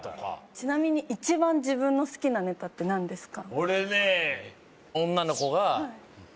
ちなみに一番自分の好きなネタって何ですか？